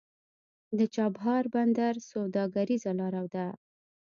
د چابهار بندر سوداګریزه لاره ده